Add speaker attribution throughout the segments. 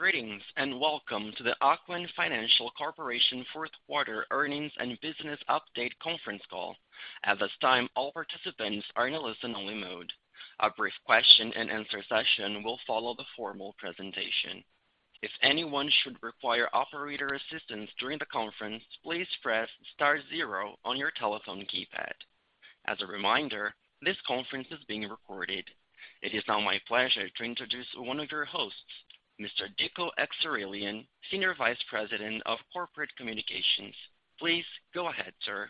Speaker 1: Greetings. Welcome to the Ocwen Financial Corporation fourth quarter earnings and business update conference call. At this time, all participants are in a listen-only mode. A brief question-and-answer session will follow the formal presentation. If anyone should require operator assistance during the conference, please press star zero on your telephone keypad. As a reminder, this conference is being recorded. It is now my pleasure to introduce one of your hosts, Mr. Dico Akseraylian, Senior Vice President of Corporate Communications. Please go ahead, sir.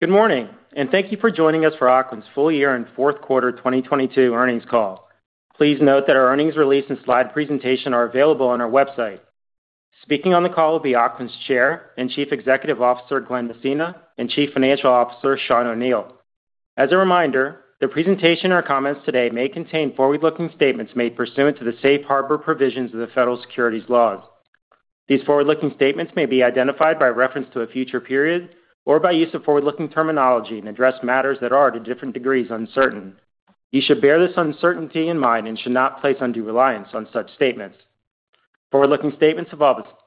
Speaker 2: Good morning, thank you for joining us for Ocwen's full year and fourth quarter 2022 earnings call. Please note that our earnings release and slide presentation are available on our website. Speaking on the call will be Ocwen's Chair and Chief Executive Officer, Glen Messina, and Chief Financial Officer, Sean O'Neil. As a reminder, the presentation or comments today may contain forward-looking statements made pursuant to the safe harbor provisions of the federal securities laws. These forward-looking statements may be identified by reference to a future period or by use of forward-looking terminology and address matters that are, to different degrees, uncertain. You should bear this uncertainty in mind and should not place undue reliance on such statements. Forward-looking statements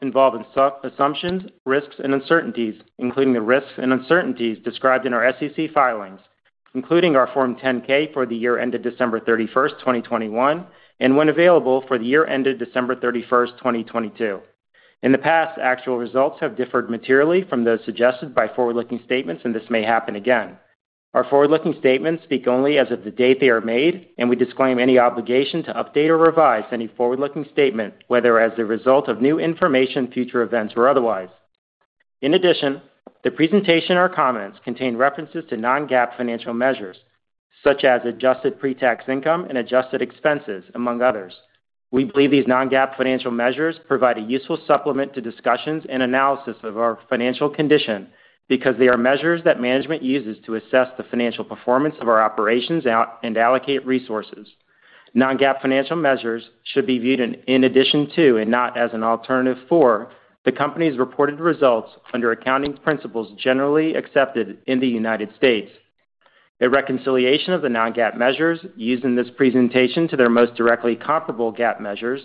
Speaker 2: involve assumptions, risks, and uncertainties, including the risks and uncertainties described in our SEC filings, including our Form 10-K for the year ended December 31, 2021, and when available, for the year ended December 31, 2022. In the past, actual results have differed materially from those suggested by forward-looking statements, and this may happen again. Our forward-looking statements speak only as of the date they are made, and we disclaim any obligation to update or revise any forward-looking statement, whether as a result of new information, future events, or otherwise. In addition, the presentation or comments contain references to non-GAAP financial measures, such as adjusted pre-tax income and adjusted expenses, among others. We believe these non-GAAP financial measures provide a useful supplement to discussions and analysis of our financial condition because they are measures that management uses to assess the financial performance of our operations and allocate resources. Non-GAAP financial measures should be viewed in addition to, and not as an alternative for, the company's reported results under accounting principles generally accepted in the United States. A reconciliation of the non-GAAP measures used in this presentation to their most directly comparable GAAP measures,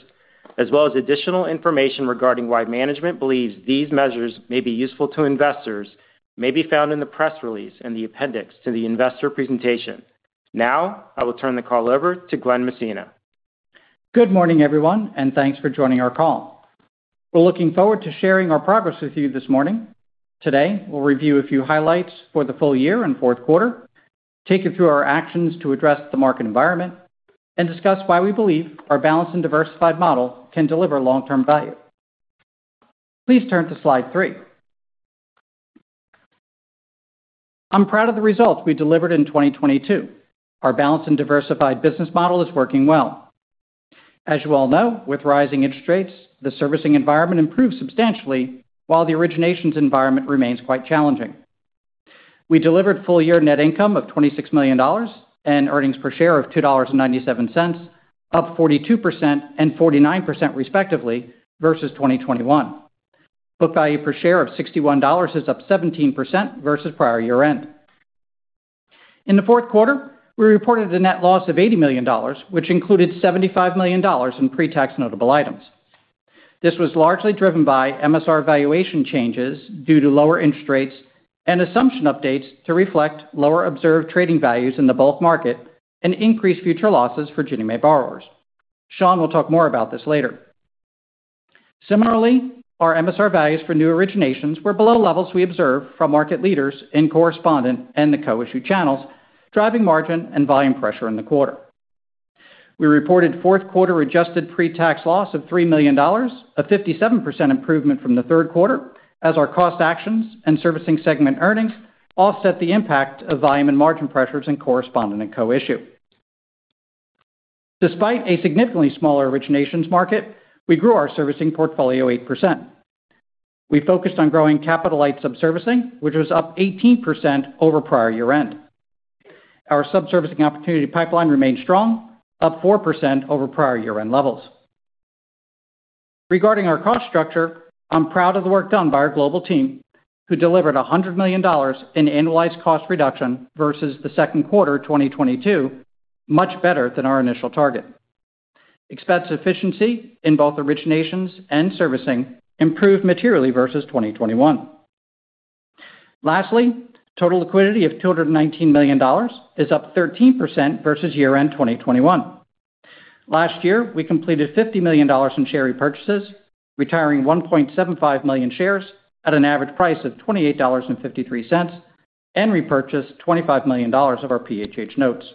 Speaker 2: as well as additional information regarding why management believes these measures may be useful to investors, may be found in the press release in the appendix to the investor presentation. Now, I will turn the call over to Glen Messina.
Speaker 3: Good morning, everyone, and thanks for joining our call. We're looking forward to sharing our progress with you this morning. Today, we'll review a few highlights for the full year and fourth quarter, take you through our actions to address the market environment, and discuss why we believe our balanced and diversified model can deliver long-term value. Please turn to slide 3. I'm proud of the results we delivered in 2022. Our balanced and diversified business model is working well. As you all know, with rising interest rates, the servicing environment improved substantially while the originations environment remains quite challenging. We delivered full-year net income of $26 million and earnings per share of $2.97, up 42% and 49% respectively versus 2021. Book value per share of $61 is up 17% versus prior year-end. In the fourth quarter, we reported a net loss of $80 million, which included $75 million in pre-tax notable items. This was largely driven by MSR valuation changes due to lower interest rates and assumption updates to reflect lower observed trading values in the bulk market and increase future losses for Ginnie Mae borrowers. Sean will talk more about this later. Similarly, our MSR values for new originations were below levels we observed from market leaders in correspondent and the co-issue channels, driving margin and volume pressure in the quarter. We reported fourth quarter adjusted pre-tax loss of $3 million, a 57% improvement from the third quarter, as our cost actions and servicing segment earnings offset the impact of volume and margin pressures in correspondent and co-issue. Despite a significantly smaller originations market, we grew our servicing portfolio 8%. We focused on growing capital-light subservicing, which was up 18% over prior year-end. Our subservicing opportunity pipeline remained strong, up 4% over prior year-end levels. Regarding our cost structure, I'm proud of the work done by our global team, who delivered $100 million in annualized cost reduction versus the second quarter 2022, much better than our initial target. Expense efficiency in both originations and servicing improved materially versus 2021. Lastly, total liquidity of $219 million is up 13% versus year-end 2021. Last year, we completed $50 million in share repurchases, retiring 1.75 million shares at an average price of $28.53, and repurchased $25 million of our PHH notes.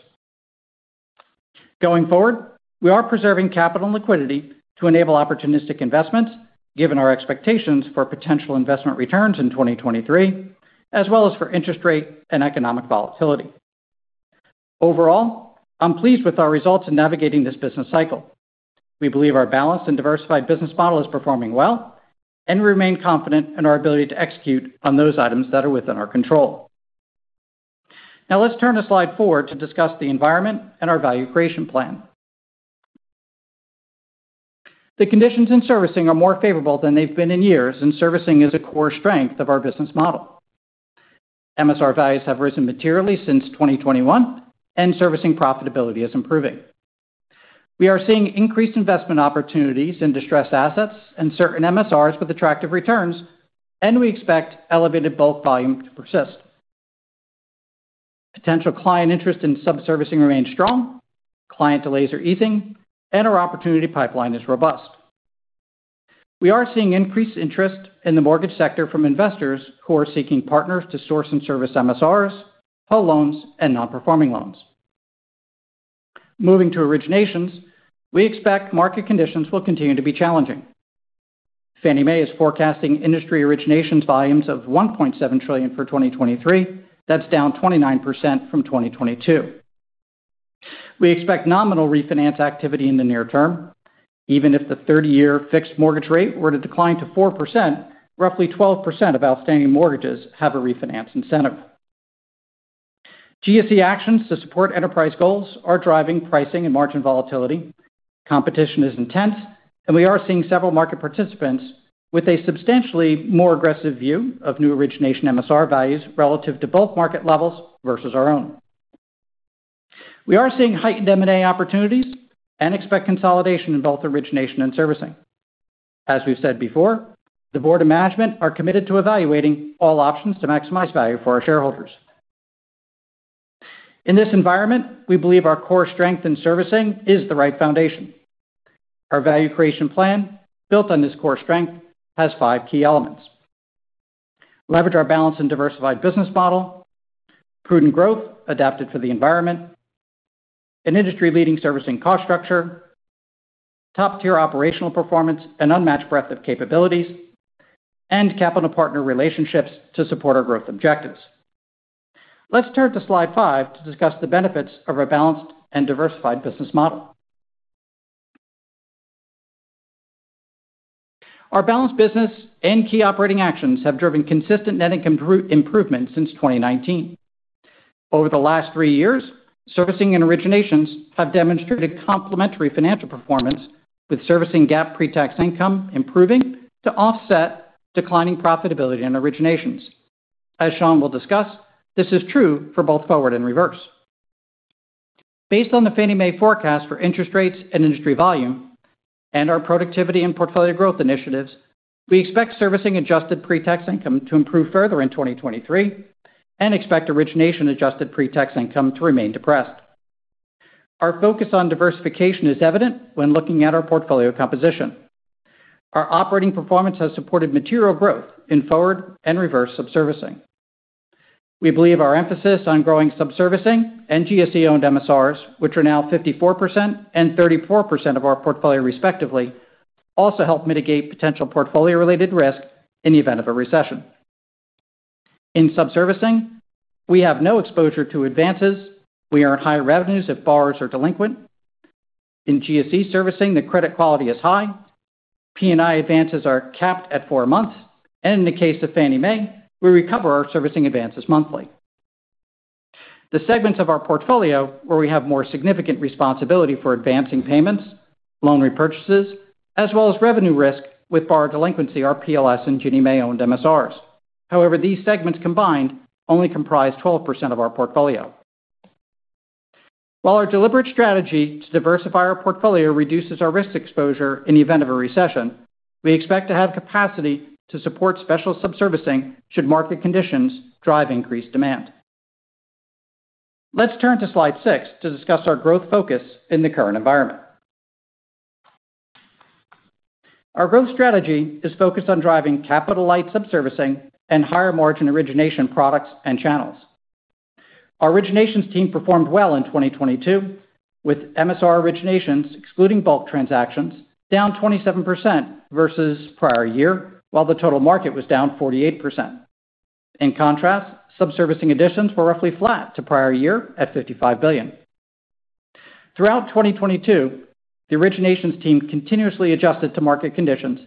Speaker 3: Going forward, we are preserving capital and liquidity to enable opportunistic investments, given our expectations for potential investment returns in 2023, as well as for interest rate and economic volatility. Overall, I'm pleased with our results in navigating this business cycle. We believe our balanced and diversified business model is performing well, and we remain confident in our ability to execute on those items that are within our control. Now let's turn to slide four to discuss the environment and our value creation plan. The conditions in servicing are more favorable than they've been in years, and servicing is a core strength of our business model. MSR values have risen materially since 2021, and servicing profitability is improving. We are seeing increased investment opportunities in distressed assets and certain MSRs with attractive returns, and we expect elevated bulk volume to persist. Potential client interest in subservicing remains strong, client delays are easing, and our opportunity pipeline is robust. We are seeing increased interest in the mortgage sector from investors who are seeking partners to source and service MSRs, whole loans, and non-performing loans. Moving to originations, we expect market conditions will continue to be challenging. Fannie Mae is forecasting industry originations volumes of $1.7 trillion for 2023. That's down 29% from 2022. We expect nominal refinance activity in the near term. Even if the 30-year fixed mortgage rate were to decline to 4%, roughly 12% of outstanding mortgages have a refinance incentive. GSE actions to support enterprise goals are driving pricing and margin volatility. Competition is intense. We are seeing several market participants with a substantially more aggressive view of new origination MSR values relative to both market levels versus our own. We are seeing heightened M&A opportunities and expect consolidation in both origination and servicing. As we've said before, the board of management are committed to evaluating all options to maximize value for our shareholders. In this environment, we believe our core strength in servicing is the right foundation. Our value creation plan, built on this core strength, has five key elements: leverage our balanced and diversified business model, prudent growth adapted for the environment, an industry-leading servicing cost structure, top-tier operational performance and unmatched breadth of capabilities, and capital partner relationships to support our growth objectives. Let's turn to slide 5 to discuss the benefits of our balanced and diversified business model. Our balanced business and key operating actions have driven consistent net income improvement since 2019. Over the last three years, servicing and originations have demonstrated complementary financial performance with servicing GAAP pre-tax income improving to offset declining profitability and originations. As Sean will discuss, this is true for both forward and reverse. Based on the Fannie Mae forecast for interest rates and industry volume and our productivity and portfolio growth initiatives, we expect servicing adjusted pre-tax income to improve further in 2023 and expect origination adjusted pre-tax income to remain depressed. Our focus on diversification is evident when looking at our portfolio composition. Our operating performance has supported material growth in forward and reverse subservicing. We believe our emphasis on growing subservicing and GSE-owned MSRs, which are now 54% and 34% of our portfolio respectively, also help mitigate potential portfolio-related risk in the event of a recession. In subservicing, we have no exposure to advances. We earn higher revenues if borrowers are delinquent. In GSE servicing, the credit quality is high. P&I advances are capped at 4 months, and in the case of Fannie Mae, we recover our servicing advances monthly. The segments of our portfolio where we have more significant responsibility for advancing payments, loan repurchases, as well as revenue risk with borrower delinquency are PLS and Ginnie Mae-owned MSRs. These segments combined only comprise 12% of our portfolio. While our deliberate strategy to diversify our portfolio reduces our risk exposure in the event of a recession, we expect to have capacity to support special subservicing should market conditions drive increased demand. Let's turn to slide 6 to discuss our growth focus in the current environment. Our growth strategy is focused on driving capital-light subservicing and higher-margin origination products and channels. Our originations team performed well in 2022, with MSR originations, excluding bulk transactions, down 27% versus prior year, while the total market was down 48%. Subservicing additions were roughly flat to prior year at $55 billion. Throughout 2022, the originations team continuously adjusted to market conditions,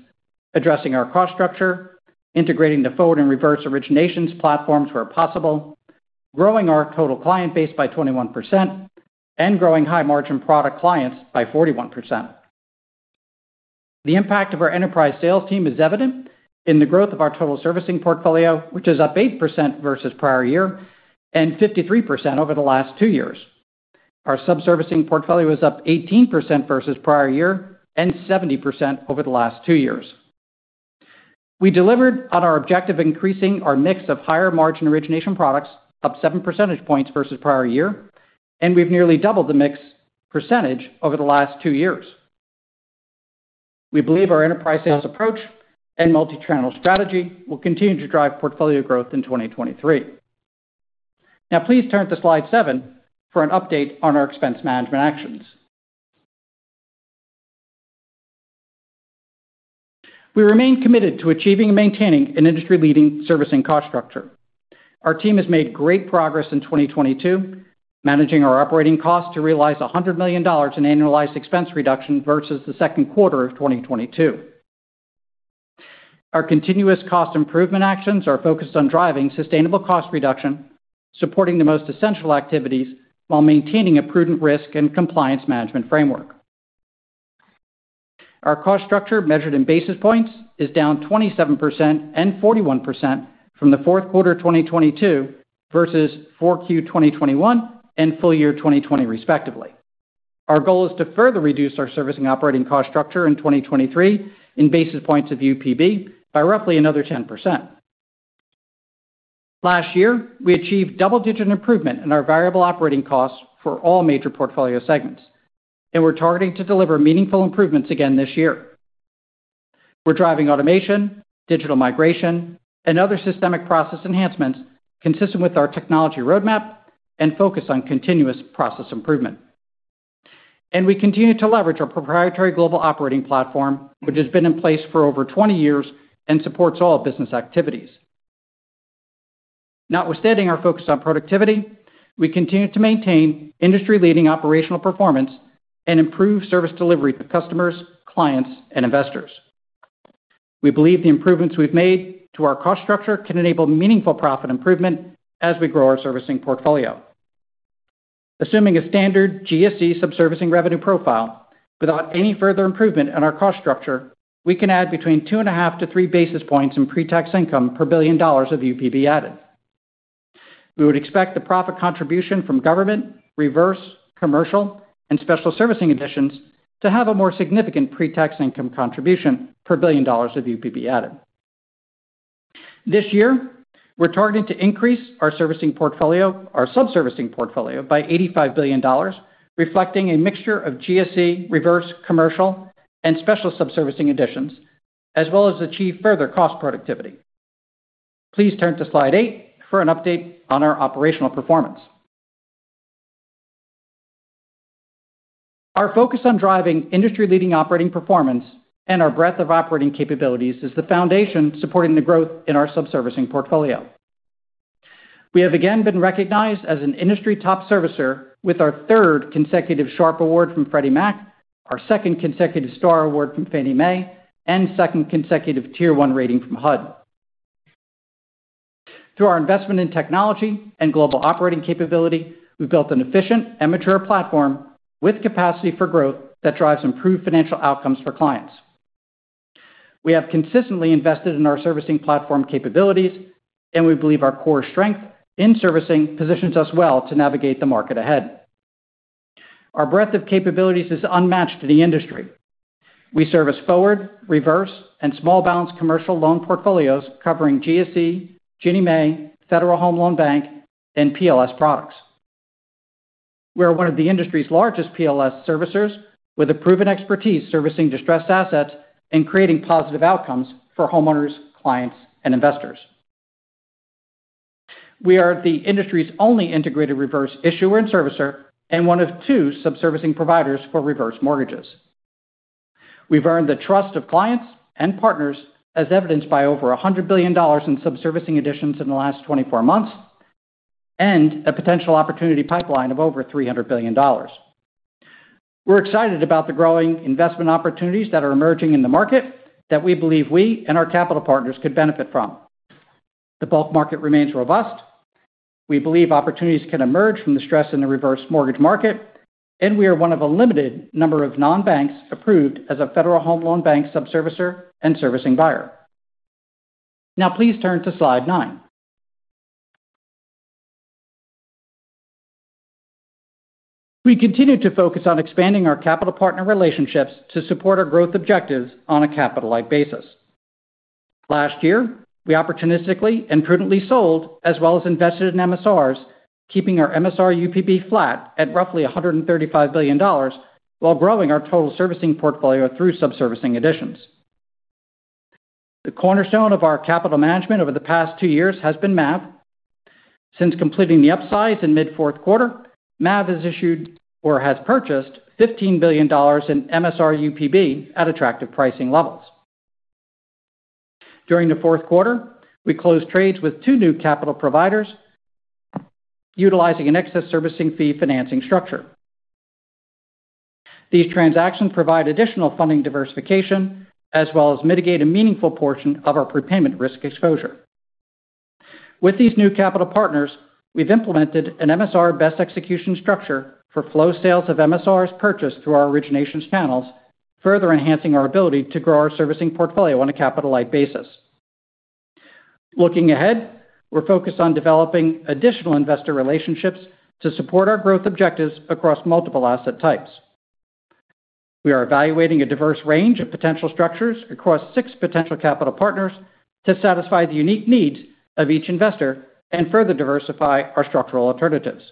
Speaker 3: addressing our cost structure, integrating the forward and reverse originations platforms where possible, growing our total client base by 21%, and growing high-margin product clients by 41%. The impact of our enterprise sales team is evident in the growth of our total servicing portfolio, which is up 8% versus prior year and 53% over the last two years. Our subservicing portfolio is up 18% versus prior year and 70% over the last two years. We delivered on our objective increasing our mix of higher-margin origination products up 7 percentage points versus prior year. We've nearly doubled the mix percentage over the last two years. We believe our enterprise sales approach and multi-channel strategy will continue to drive portfolio growth in 2023. Please turn to slide 7 for an update on our expense management actions. We remain committed to achieving and maintaining an industry-leading servicing cost structure. Our team has made great progress in 2022, managing our operating costs to realize $100 million in annualized expense reduction versus the second quarter of 2022. Our continuous cost improvement actions are focused on driving sustainable cost reduction, supporting the most essential activities while maintaining a prudent risk and compliance management framework. Our cost structure measured in basis points is down 27% and 41% from the fourth quarter of 2022 versus 4Q 2021 and full year 2020 respectively. Our goal is to further reduce our servicing operating cost structure in 2023 in basis points of UPB by roughly another 10%. Last year, we achieved double-digit improvement in our variable operating costs for all major portfolio segments, and we're targeting to deliver meaningful improvements again this year. We're driving automation, digital migration, and other systemic process enhancements consistent with our technology roadmap and focus on continuous process improvement. We continue to leverage our proprietary global operating platform, which has been in place for over 20 years and supports all business activities. Notwithstanding our focus on productivity, we continue to maintain industry-leading operational performance and improve service delivery to customers, clients, and investors. We believe the improvements we've made to our cost structure can enable meaningful profit improvement as we grow our servicing portfolio. Assuming a standard GSE subservicing revenue profile, without any further improvement in our cost structure, we can add between 2.5 to 3 basis points in pre-tax income per $1 billion of UPB added. We would expect the profit contribution from government, reverse, commercial, and special servicing additions to have a more significant pre-tax income contribution per $1 billion of UPB added. This year, we're targeting to increase our servicing portfolio, our subservicing portfolio by $85 billion, reflecting a mixture of GSE, reverse commercial, and special subservicing additions, as well as achieve further cost productivity. Please turn to slide 8 for an update on our operational performance. Our focus on driving industry-leading operating performance and our breadth of operating capabilities is the foundation supporting the growth in our subservicing portfolio. We have again been recognized as an industry top servicer with our third consecutive SHARP Award from Freddie Mac, our second consecutive STAR Award from Fannie Mae, and second consecutive Tier 1 rating from HUD. Through our investment in technology and global operating capability, we've built an efficient and mature platform with capacity for growth that drives improved financial outcomes for clients. We have consistently invested in our servicing platform capabilities. We believe our core strength in servicing positions us well to navigate the market ahead. Our breadth of capabilities is unmatched in the industry. We service forward, reverse, and small balance commercial loan portfolios covering GSE, Ginnie Mae, Federal Home Loan Bank, and PLS products. We are one of the industry's largest PLS servicers with a proven expertise servicing distressed assets and creating positive outcomes for homeowners, clients, and investors. We are the industry's only integrated reverse issuer and servicer and one of two subservicing providers for reverse mortgages. We've earned the trust of clients and partners, as evidenced by over $100 billion in subservicing additions in the last 24 months. A potential opportunity pipeline of over $300 billion. We're excited about the growing investment opportunities that are emerging in the market that we believe we and our capital partners could benefit from. The bulk market remains robust. We believe opportunities can emerge from the stress in the reverse mortgage market, and we are one of a limited number of non-banks approved as a Federal Home Loan Bank subservicer and servicing buyer. Please turn to slide nine. We continue to focus on expanding our capital partner relationships to support our growth objectives on a capital-like basis. Last year, we opportunistically and prudently sold as well as invested in MSRs, keeping our MSR UPB flat at roughly $135 billion while growing our total servicing portfolio through subservicing additions. The cornerstone of our capital management over the past two years has been MAV. Since completing the upsize in mid fourth quarter, MAV has issued or has purchased $15 billion in MSR UPB at attractive pricing levels. During the fourth quarter, we closed trades with two new capital providers utilizing an excess servicing fee financing structure. These transactions provide additional funding diversification as well as mitigate a meaningful portion of our prepayment risk exposure. With these new capital partners, we've implemented an MSR best execution structure for flow sales of MSRs purchased through our originations panels, further enhancing our ability to grow our servicing portfolio on a capital-light basis. Looking ahead, we're focused on developing additional investor relationships to support our growth objectives across multiple asset types. We are evaluating a diverse range of potential structures across six potential capital partners to satisfy the unique needs of each investor and further diversify our structural alternatives.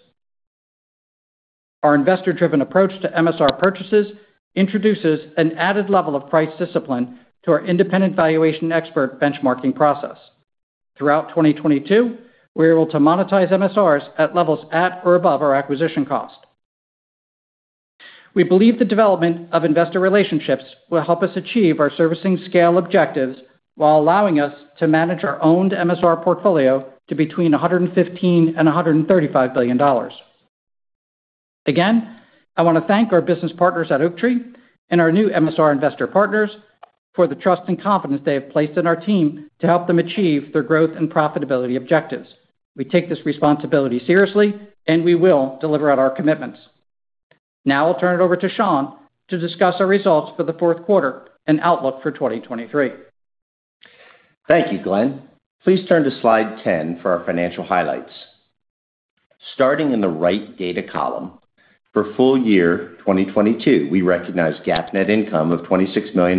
Speaker 3: Our investor-driven approach to MSR purchases introduces an added level of price discipline to our independent valuation expert benchmarking process. Throughout 2022, we were able to monetize MSRs at levels at or above our acquisition cost. We believe the development of investor relationships will help us achieve our servicing scale objectives while allowing us to manage our owned MSR portfolio to between $115 billion and $135 billion. Again, I want to thank our business partners at Oaktree and our new MSR investor partners for the trust and confidence they have placed in our team to help them achieve their growth and profitability objectives. We take this responsibility seriously, and we will deliver on our commitments. Now I'll turn it over to Sean to discuss our results for the fourth quarter and outlook for 2023.
Speaker 4: Thank you, Glen. Please turn to slide 10 for our financial highlights. Starting in the right data column, for full year 2022, we recognized GAAP net income of $26 million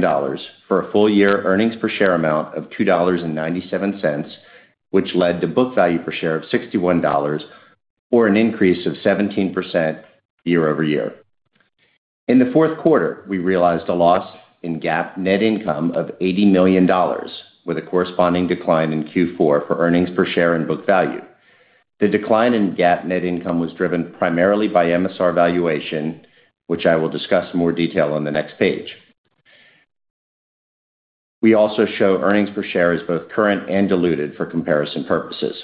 Speaker 4: for a full year earnings per share amount of $2.97, which led to book value per share of $61, or an increase of 17% year-over-year. In the fourth quarter, we realized a loss in GAAP net income of $80 million, with a corresponding decline in Q4 for earnings per share and book value. The decline in GAAP net income was driven primarily by MSR valuation, which I will discuss more detail on the next page. We also show earnings per share as both current and diluted for comparison purposes.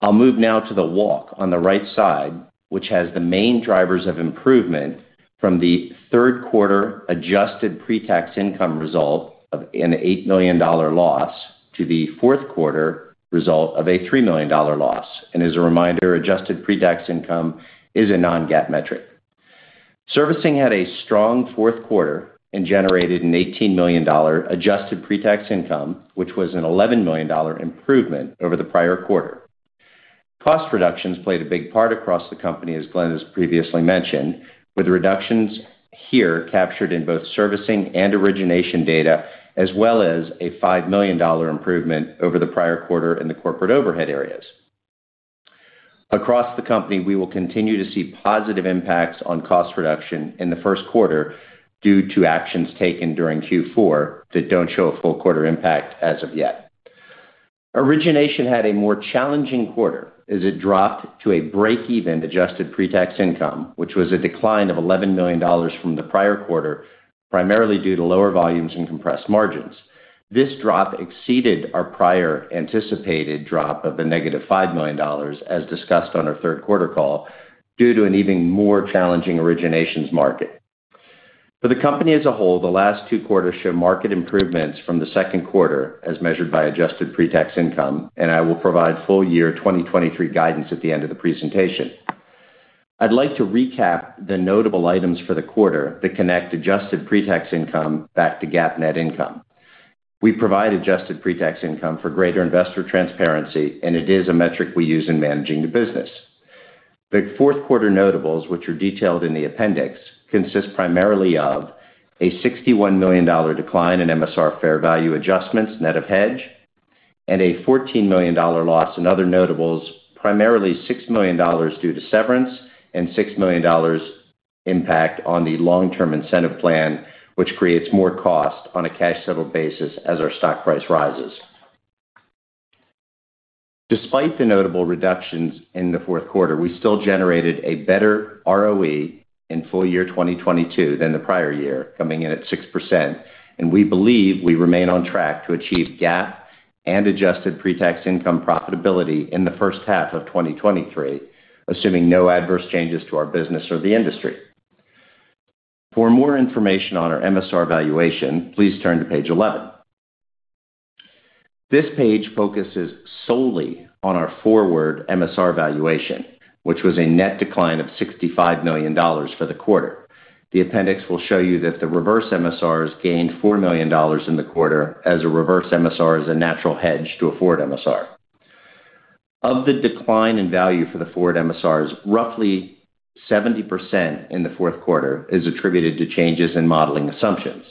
Speaker 4: I'll move now to the walk on the right side, which has the main drivers of improvement from the third quarter adjusted pre-tax income result of an $8 million loss to the fourth quarter result of a $3 million loss. As a reminder, adjusted pre-tax income is a non-GAAP metric. Servicing had a strong fourth quarter and generated an $18 million adjusted pre-tax income, which was an $11 million improvement over the prior quarter. Cost reductions played a big part across the company, as Glen has previously mentioned, with reductions here captured in both servicing and origination data, as well as a $5 million improvement over the prior quarter in the corporate overhead areas. Across the company, we will continue to see positive impacts on cost reduction in the 1st quarter due to actions taken during Q4 that don't show a full quarter impact as of yet. Origination had a more challenging quarter as it dropped to a break-even adjusted pre-tax income, which was a decline of $11 million from the prior quarter, primarily due to lower volumes and compressed margins. This drop exceeded our prior anticipated drop of a negative $5 million as discussed on our 3rd quarter call due to an even more challenging originations market. For the company as a whole, the last two quarters show market improvements from the 2nd quarter as measured by adjusted pre-tax income, and I will provide full year 2023 guidance at the end of the presentation. I'd like to recap the notable items for the quarter that connect adjusted pre-tax income back to GAAP net income. We provide adjusted pre-tax income for greater investor transparency. It is a metric we use in managing the business. The fourth quarter notables, which are detailed in the appendix, consist primarily of a $61 million decline in MSR fair value adjustments net of hedge and a $14 million loss in other notables, primarily $6 million due to severance and $6 million impact on the long-term incentive plan, which creates more cost on a cash settle basis as our stock price rises. Despite the notable reductions in the fourth quarter, we still generated a better ROE in full year 2022 than the prior year, coming in at 6%. We believe we remain on track to achieve GAAP and adjusted pre-tax income profitability in the first half of 2023, assuming no adverse changes to our business or the industry. For more information on our MSR valuation, please turn to page 11. This page focuses solely on our forward MSR valuation, which was a net decline of $65 million for the quarter. The appendix will show you that the reverse MSRs gained $4 million in the quarter as a reverse MSR is a natural hedge to a forward MSR. Of the decline in value for the forward MSRs, roughly 70% in the fourth quarter is attributed to changes in modeling assumptions.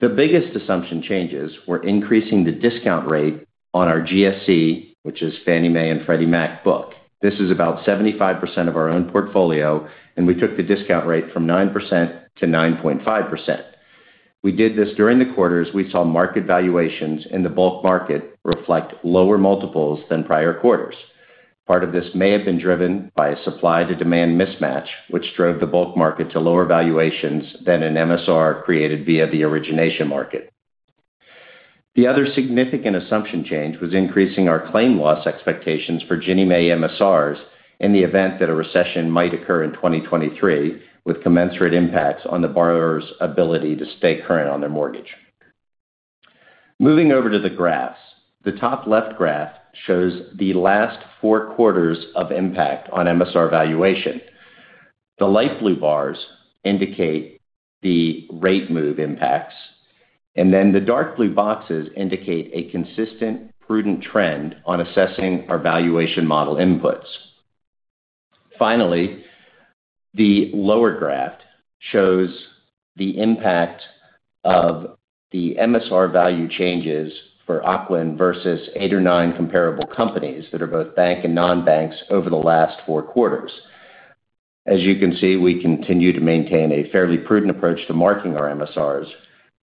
Speaker 4: The biggest assumption changes were increasing the discount rate on our GSE, which is Fannie Mae and Freddie Mac book. This is about 75% of our own portfolio. We took the discount rate from 9% to 9.5%. We did this during the quarters we saw market valuations in the bulk market reflect lower multiples than prior quarters. Part of this may have been driven by a supply-to-demand mismatch, which drove the bulk market to lower valuations than an MSR created via the origination market. The other significant assumption change was increasing our claim loss expectations for Ginnie Mae MSRs in the event that a recession might occur in 2023, with commensurate impacts on the borrower's ability to stay current on their mortgage. Moving over to the graphs. The top left graph shows the last four quarters of impact on MSR valuation. The light blue bars indicate the rate move impacts, and then the dark blue boxes indicate a consistent, prudent trend on assessing our valuation model inputs. Finally, the lower graph shows the impact of the MSR value changes for Ocwen versus eight or nine comparable companies that are both bank and non-banks over the last four quarters. As you can see, we continue to maintain a fairly prudent approach to marking our MSRs,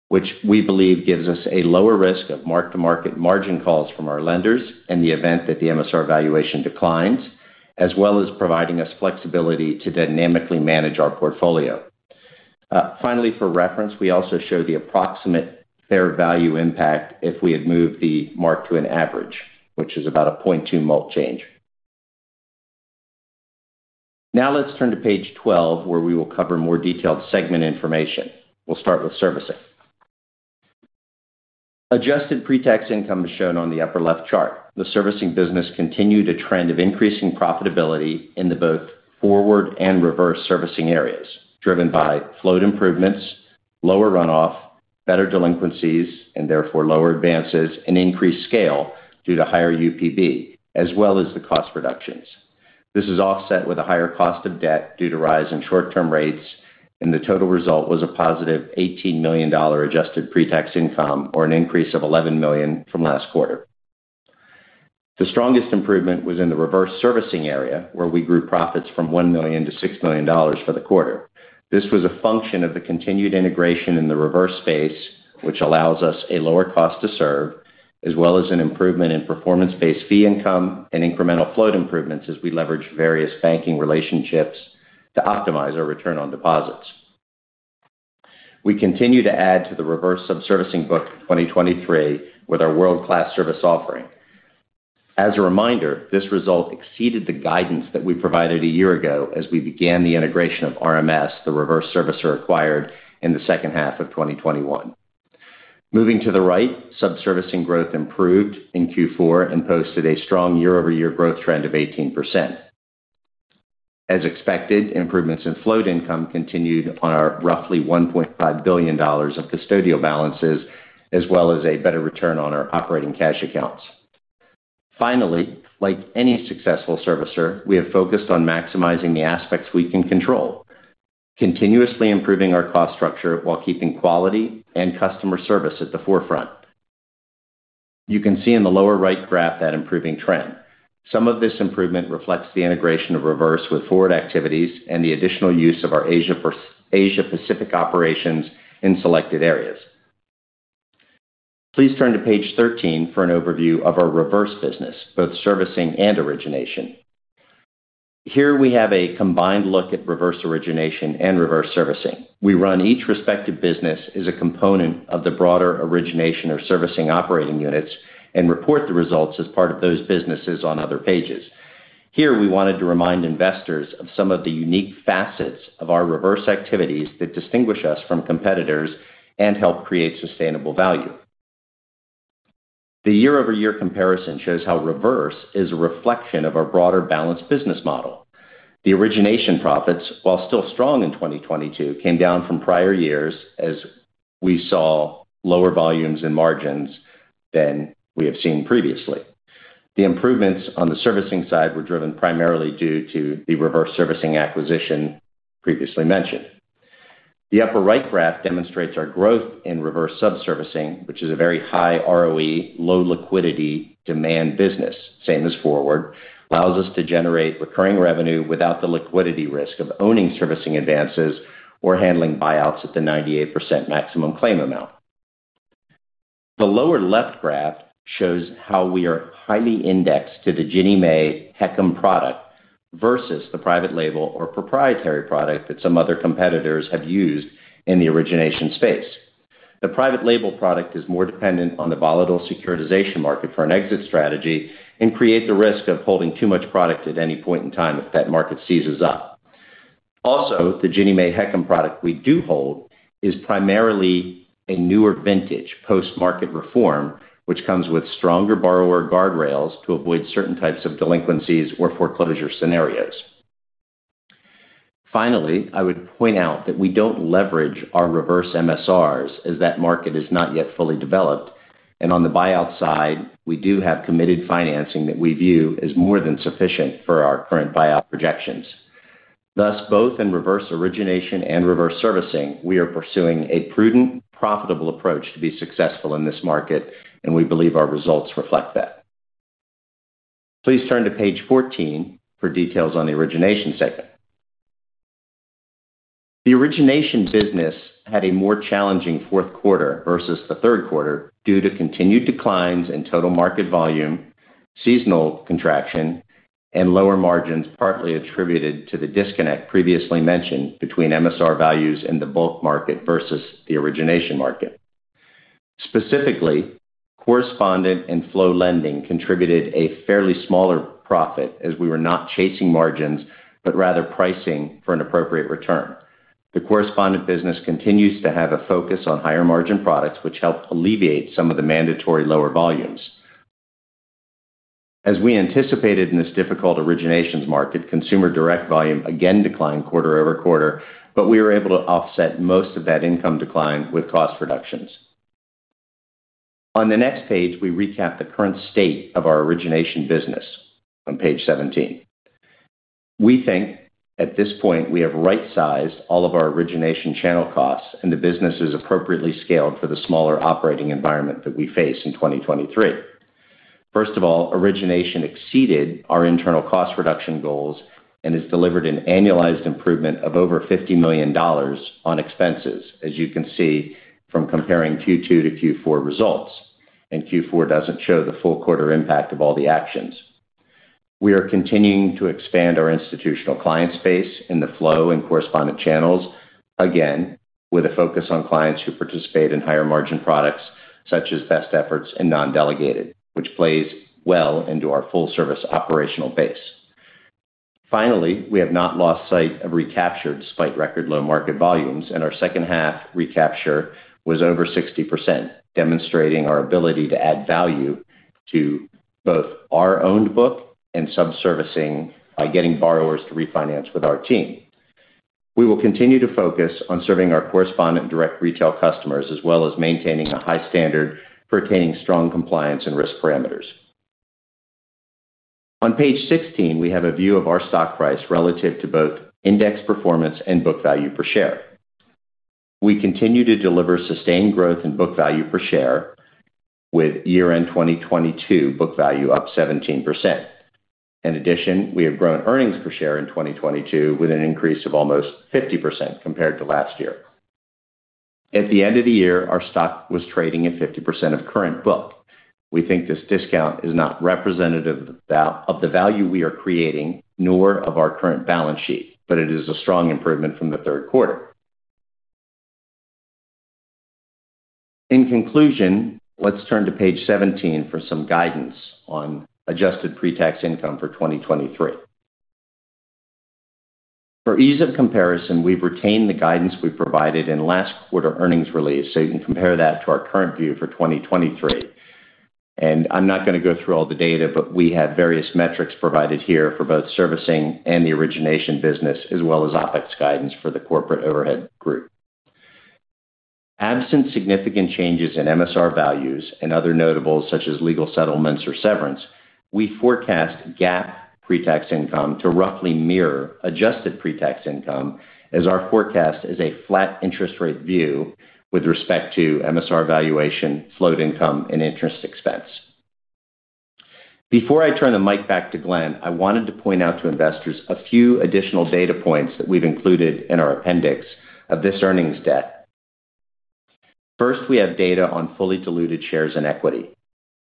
Speaker 4: which we believe gives us a lower risk of mark-to-market margin calls from our lenders in the event that the MSR valuation declines, as well as providing us flexibility to dynamically manage our portfolio. Finally, for reference, we also show the approximate fair value impact if we had moved the mark to an average, which is about a 0.2 mult change. Now let's turn to page 12, where we will cover more detailed segment information. We'll start with servicing. Adjusted pre-tax income is shown on the upper left chart. The servicing business continued a trend of increasing profitability in the both forward and reverse servicing areas, driven by float improvements, lower runoff, better delinquencies, and therefore lower advances and increased scale due to higher UPB, as well as the cost reductions. This is offset with a higher cost of debt due to rise in short-term rates, and the total result was a positive $18 million adjusted pre-tax income, or an increase of $11 million from last quarter. The strongest improvement was in the reverse servicing area, where we grew profits from $1 million- $6 million for the quarter. This was a function of the continued integration in the reverse space, which allows us a lower cost to serve, as well as an improvement in performance-based fee income and incremental float improvements as we leverage various banking relationships to optimize our return on deposits. We continue to add to the reverse sub-servicing book of 2023 with our world-class service offering. As a reminder, this result exceeded the guidance that we provided a year ago as we began the integration of RMS, the reverse servicer acquired in the second half of 2021. Moving to the right, sub-servicing growth improved in Q4 and posted a strong year-over-year growth trend of 18%. As expected, improvements in float income continued on our roughly $1.5 billion of custodial balances, as well as a better return on our operating cash accounts. Finally, like any successful servicer, we have focused on maximizing the aspects we can control, continuously improving our cost structure while keeping quality and customer service at the forefront. You can see in the lower right graph that improving trend. Some of this improvement reflects the integration of reverse with forward activities and the additional use of our Asia Pacific operations in selected areas. Please turn to page 13 for an overview of our reverse business, both servicing and origination. Here we have a combined look at reverse origination and reverse servicing. We run each respective business as a component of the broader origination or servicing operating units and report the results as part of those businesses on other pages. Here, we wanted to remind investors of some of the unique facets of our reverse activities that distinguish us from competitors and help create sustainable value. The year-over-year comparison shows how reverse is a reflection of our broader balanced business model. The origination profits, while still strong in 2022, came down from prior years as we saw lower volumes and margins than we have seen previously. The improvements on the servicing side were driven primarily due to the reverse servicing acquisition previously mentioned. The upper right graph demonstrates our growth in reverse sub-servicing, which is a very high ROE, low liquidity demand business, same as forward, allows us to generate recurring revenue without the liquidity risk of owning servicing advances or handling buyouts at the 98% maximum claim amount. The lower left graph shows how we are highly indexed to the Ginnie Mae HECM product versus the private label or proprietary product that some other competitors have used in the origination space. The private label product is more dependent on the volatile securitization market for an exit strategy and create the risk of holding too much product at any point in time if that market seizes up. Also, the Ginnie Mae HECM product we do hold is primarily a newer vintage post-market reform, which comes with stronger borrower guardrails to avoid certain types of delinquencies or foreclosure scenarios. Finally, I would point out that we don't leverage our reverse MSRs as that market is not yet fully developed. On the buyout side, we do have committed financing that we view as more than sufficient for our current buyout projections. Thus, both in reverse origination and reverse servicing, we are pursuing a prudent, profitable approach to be successful in this market, and we believe our results reflect that. Please turn to page 14 for details on the origination segment. The origination business had a more challenging fourth quarter versus the third quarter due to continued declines in total market volume, seasonal contraction, and lower margins, partly attributed to the disconnect previously mentioned between MSR values in the bulk market versus the origination market. Specifically, correspondent and flow lending contributed a fairly smaller profit as we were not chasing margins, but rather pricing for an appropriate return. The correspondent business continues to have a focus on higher margin products which help alleviate some of the mandatory lower volumes. As we anticipated in this difficult originations market, consumer direct volume again declined quarter-over-quarter, We were able to offset most of that income decline with cost reductions. On the next page, we recap the current state of our origination business on page 17. We think, at this point, we have right-sized all of our origination channel costs and the business is appropriately scaled for the smaller operating environment that we face in 2023. First of all, origination exceeded our internal cost reduction goals and has delivered an annualized improvement of over $50 million on expenses, as you can see from comparing Q2 to Q4 results. Q4 doesn't show the full quarter impact of all the actions. We are continuing to expand our institutional client space in the flow and correspondent channels. Again, with a focus on clients who participate in higher margin products such as best efforts and non-delegated, which plays well into our full service operational base. We have not lost sight of recapture despite record low market volumes, our second half recapture was over 60%, demonstrating our ability to add value to both our owned book and subservicing by getting borrowers to refinance with our team. We will continue to focus on serving our correspondent direct retail customers, as well as maintaining a high standard for attaining strong compliance and risk parameters. On page 16, we have a view of our stock price relative to both index performance and book value per share. We continue to deliver sustained growth in book value per share with year-end 2022 book value up 17%. We have grown earnings per share in 2022 with an increase of almost 50% compared to last year. At the end of the year, our stock was trading at 50% of current book. We think this discount is not representative of the value we are creating, nor of our current balance sheet, but it is a strong improvement from the third quarter. In conclusion, let's turn to page 17 for some guidance on adjusted pre-tax income for 2023. I'm not gonna go through all the data, but we have various metrics provided here for both servicing and the origination business, as well as OpEx guidance for the corporate overhead group. Absent significant changes in MSR values and other notables such as legal settlements or severance, we forecast GAAP pre-tax income to roughly mirror adjusted pre-tax income as our forecast is a flat interest rate view with respect to MSR valuation, float income, and interest expense. Before I turn the mic back to Glen, I wanted to point out to investors a few additional data points that we've included in our appendix of this earnings deck. First, we have data on fully diluted shares and equity.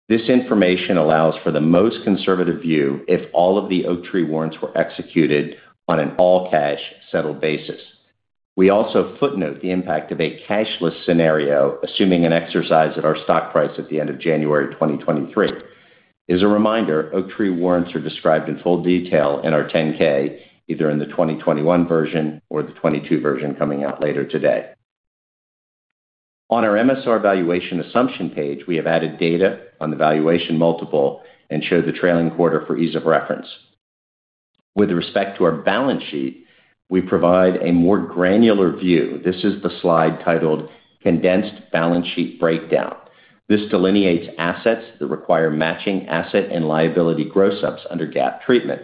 Speaker 4: This information allows for the most conservative view if all of the Oaktree warrants were executed on an all-cash settled basis. We also footnote the impact of a cashless scenario, assuming an exercise at our stock price at the end of January 2023. As a reminder, Oaktree warrants are described in full detail in our 10-K, either in the 2021 version or the 2022 version coming out later today. On our MSR valuation assumption page, we have added data on the valuation multiple and showed the trailing quarter for ease of reference. With respect to our balance sheet, we provide a more granular view. This is the slide titled Condensed Balance Sheet Breakdown. This delineates assets that require matching asset and liability gross ups under GAAP treatment.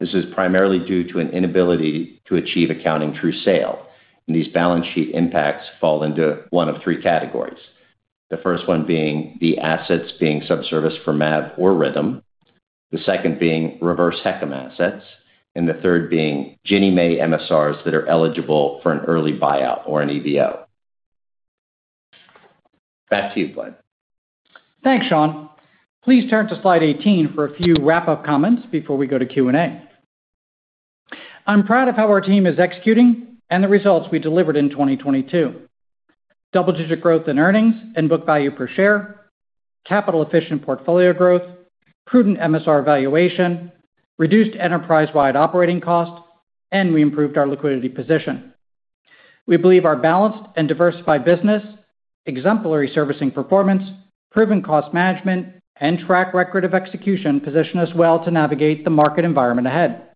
Speaker 4: This is primarily due to an inability to achieve accounting true sale. These balance sheet impacts fall into one of three categories. The 1st one being the assets being subserviced for MAV or Rithm, the 2nd being reverse HECM assets, and the 3rd being Ginnie Mae MSRs that are eligible for an early buyout or an EBO. Back to you, Glen.
Speaker 3: Thanks, Sean. Please turn to slide 18 for a few wrap-up comments before we go to Q&A. I'm proud of how our team is executing and the results we delivered in 2022. Double-digit growth in earnings and book value per share, capital efficient portfolio growth, prudent MSR valuation, reduced enterprise-wide operating costs, and we improved our liquidity position. We believe our balanced and diversified business, exemplary servicing performance, proven cost management, and track record of execution position us well to navigate the market environment ahead.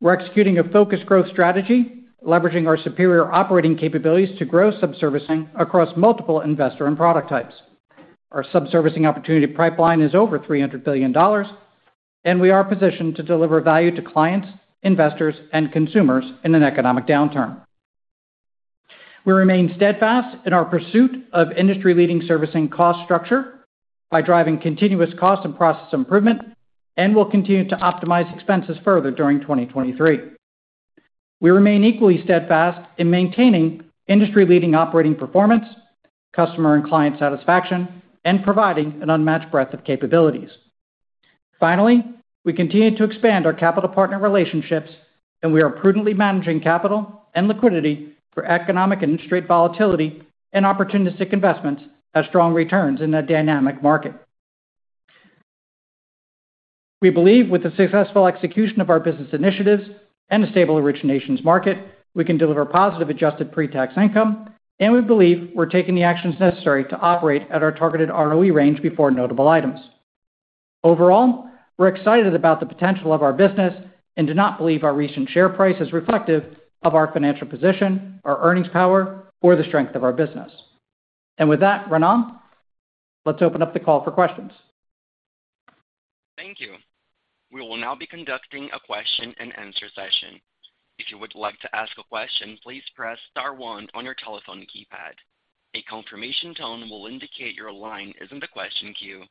Speaker 3: We're executing a focused growth strategy, leveraging our superior operating capabilities to grow subservicing across multiple investor and product types. Our subservicing opportunity pipeline is over $300 billion, and we are positioned to deliver value to clients, investors, and consumers in an economic downturn. We remain steadfast in our pursuit of industry-leading servicing cost structure by driving continuous cost and process improvement and will continue to optimize expenses further during 2023. We remain equally steadfast in maintaining industry-leading operating performance, customer and client satisfaction, and providing an unmatched breadth of capabilities. Finally, we continue to expand our capital partner relationships, and we are prudently managing capital and liquidity for economic and interest rate volatility and opportunistic investments as strong returns in a dynamic market. We believe with the successful execution of our business initiatives and a stable originations market, we can deliver positive adjusted pre-tax income, and we believe we're taking the actions necessary to operate at our targeted ROE range before notable items. Overall, we're excited about the potential of our business and do not believe our recent share price is reflective of our financial position, our earnings power, or the strength of our business. With that, Operator, let's open up the call for questions.
Speaker 1: Thank you. We will now be conducting a question-and-answer session. If you would like to ask a question, please press star one on your telephone keypad. A confirmation tone will indicate your line is in the question queue.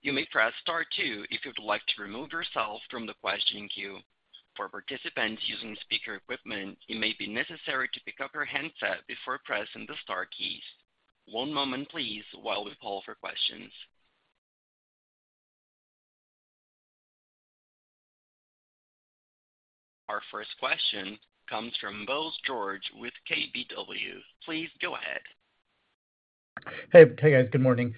Speaker 1: You may press star two if you would like to remove yourself from the question queue. For participants using speaker equipment, it may be necessary to pick up your handset before pressing the star keys. One moment please while we poll for questions. Our first question comes from Bose George with KBW. Please go ahead.
Speaker 5: Hey. Hey, guys. Good morning.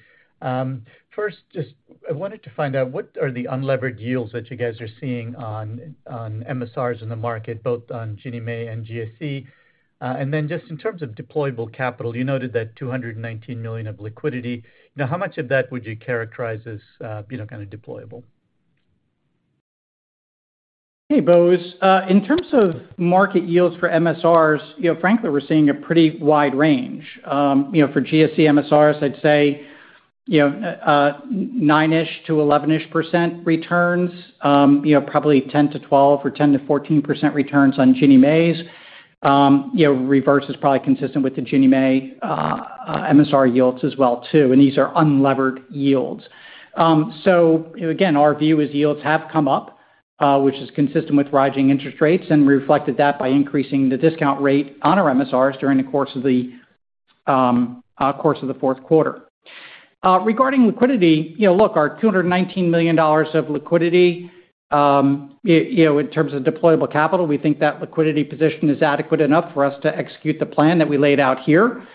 Speaker 5: First, just I wanted to find out, what are the unlevered yields that you guys are seeing on MSRs in the market, both on Ginnie Mae and GSE? Just in terms of deployable capital, you noted that $219 million of liquidity. Now, how much of that would you characterize as, you know, kind of deployable?
Speaker 3: Hey, Bose. In terms of market yields for MSRs, you know, frankly, we're seeing a pretty wide range. You know, for GSE MSRs, I'd say, you know, 9%-ish to 11%-ish returns. You know, probably 10%-12% or 10%-14% returns on Ginnie Mae's. You know, reverse is probably consistent with the Ginnie Mae MSR yields as well too, and these are unlevered yields. You know, again, our view is yields have come up, which is consistent with rising interest rates, and we reflected that by increasing the discount rate on our MSRs during the course of the fourth quarter. Regarding liquidity, you know, look, our $219 million of liquidity, you know, in terms of deployable capital, we think that liquidity position is adequate enough for us to execute the plan that we laid out here.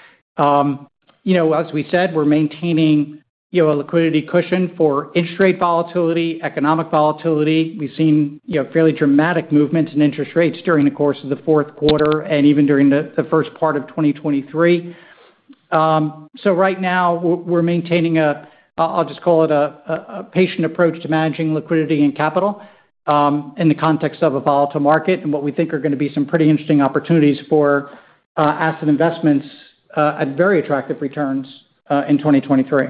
Speaker 3: You know, as we said, we're maintaining, you know, a liquidity cushion for interest rate volatility, economic volatility. We've seen, you know, fairly dramatic movements in interest rates during the course of the fourth quarter and even during the first part of 2023. Right now we're maintaining a, I'll just call it a patient approach to managing liquidity and capital in the context of a volatile market and what we think are gonna be some pretty interesting opportunities for asset investments at very attractive returns in 2023.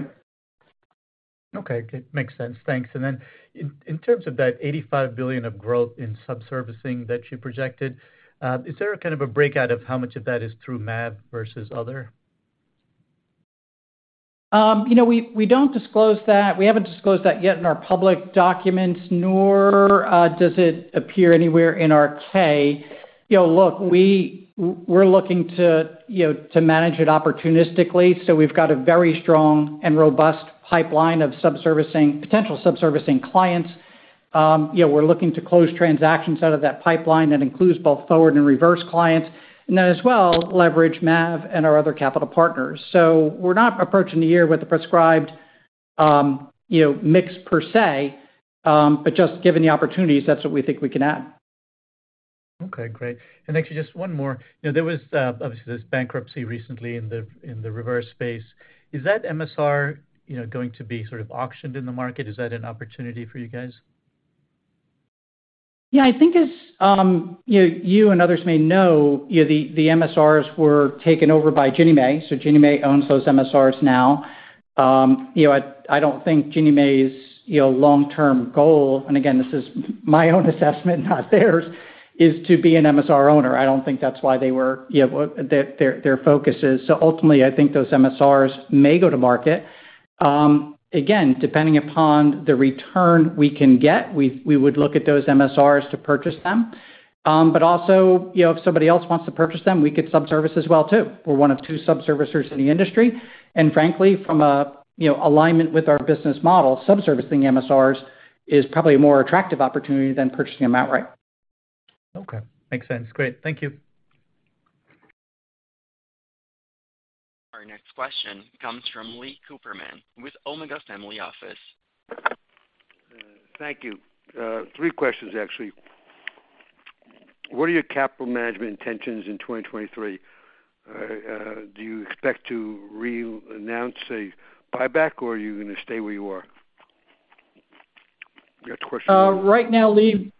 Speaker 5: Okay. Makes sense. Thanks. In terms of that $85 billion of growth in subservicing that you projected, is there a kind of a breakout of how much of that is through MAV versus other?
Speaker 3: You know, we don't disclose that. We haven't disclosed that yet in our public documents, nor does it appear anywhere in our K. You know, look, we're looking to, you know, to manage it opportunistically, so we've got a very strong and robust pipeline of potential subservicing clients. You know, we're looking to close transactions out of that pipeline. That includes both forward and reverse clients. As well, leverage MAV and our other capital partners. We're not approaching the year with a prescribed, you know, mix per se, but just given the opportunities, that's what we think we can add.
Speaker 5: Okay, great. Actually just one more. You know, there was obviously this bankruptcy recently in the reverse space. Is that MSR, you know, going to be sort of auctioned in the market? Is that an opportunity for you guys?
Speaker 3: I think as, you know, you and others may know, you know, the MSRs were taken over by Ginnie Mae, so Ginnie Mae owns those MSRs now. You know, I don't think Ginnie Mae's, you know, long-term goal, and again, this is my own assessment, not theirs, is to be an MSR owner. I don't think that's why they were, you know, their focus is. Ultimately, I think those MSRs may go to market. Again, depending upon the return we can get, we would look at those MSRs to purchase them. Also, you know, if somebody else wants to purchase them, we could subservice as well too. We're one of two subservicers in the industry. Frankly, from a, you know, alignment with our business model, subservicing MSRs is probably a more attractive opportunity than purchasing them outright.
Speaker 5: Okay. Makes sense. Great. Thank you.
Speaker 1: Our next question comes from Lee Cooperman with Omega Family Office.
Speaker 6: Thank you. Three questions, actually. What are your capital management intentions in 2023? Do you expect to reannounce a buyback, or are you gonna stay where you are? That's question one.
Speaker 3: Right now, Lee,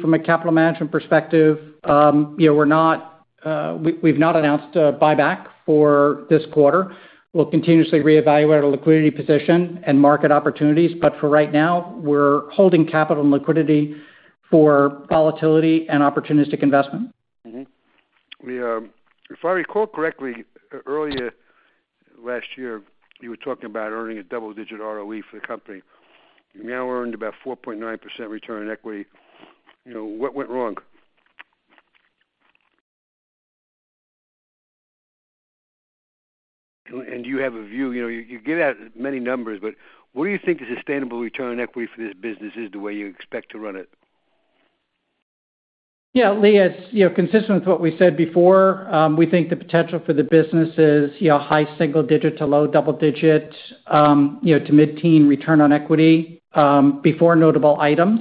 Speaker 3: from a capital management perspective, you know, we've not announced a buyback for this quarter. We'll continuously reevaluate our liquidity position and market opportunities, for right now, we're holding capital and liquidity for volatility and opportunistic investment.
Speaker 6: We, if I recall correctly, earlier last year, you were talking about earning a double-digit ROE for the company. You now earned about 4.9% return on equity. You know, what went wrong? Do you have a view? You know, you give out many numbers, but what do you think the sustainable return on equity for this business is the way you expect to run it?
Speaker 3: Yeah, Lee, it's, you know, consistent with what we said before, we think the potential for the business is, you know, high single-digit to low double-digit, you know, to mid-teen return on equity, before notable items.